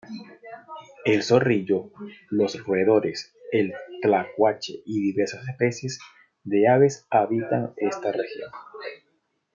El zorrillo, los roedores, el tlacuache y diversas especies de aves habitan esta región.